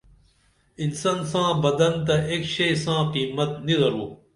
انسان ساں بدن تہ ایک شئی ساں قیمت نی درو